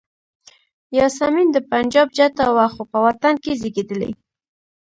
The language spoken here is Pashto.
یاسمین د پنجاب جټه وه خو په وطن کې زیږېدلې.